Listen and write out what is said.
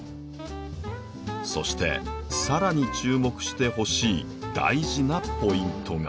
そして更に注目してほしい大事なポイントが。